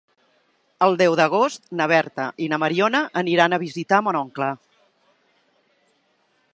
El deu d'agost na Berta i na Mariona aniran a visitar mon oncle.